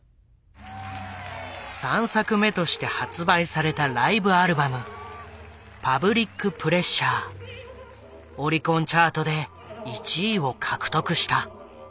３作目として発売されたライブアルバムオリコンチャートで１位を獲得した。